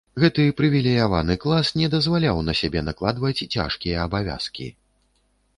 Гэты прывілеяваны клас не дазваляў на сябе накладваць цяжкія абавязкі.